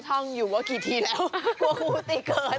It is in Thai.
ช่องอยู่ว่ากี่ทีแล้วกลัวงูตีเกิน